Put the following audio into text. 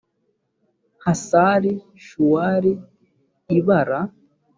hasari shuwali i bala